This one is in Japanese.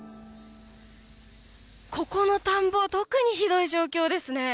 ここの田んぼ特にひどい状況ですね。